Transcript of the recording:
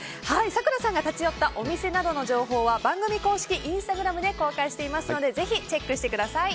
咲楽さんが立ち寄ったお店などの情報は番組公式インスタグラムで公開していますのでぜひチェックしてみてください。